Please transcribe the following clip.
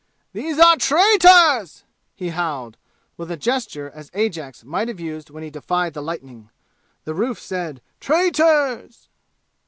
"These are traitors!" he howled, with a gesture such as Ajax might have used when he defied the lightning. The roof said "Traitors!"